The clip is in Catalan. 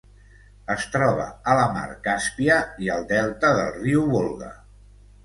Es troba a la Mar Càspia i al delta del riu Volga.